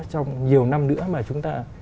trong nhiều năm nữa mà chúng ta